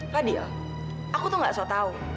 fadil aku tuh gak sotau